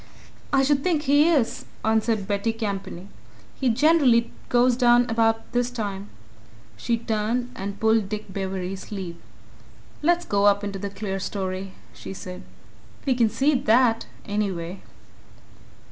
"I should think he is," answered Betty Campany. "He generally goes down about this time." She turned and pulled Dick Bewery's sleeve. "Let's go up in the clerestory," she said. "We can see that, anyway."